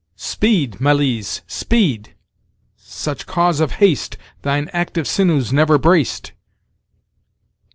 "Speed! Malise, speed! such cause of haste Thine active sinews never braced."